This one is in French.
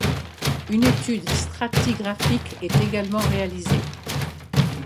Une étude stratigraphique est également réalisée.